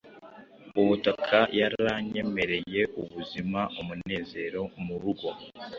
Ubutaka yaranyemereye ubuzima-umunezero murugo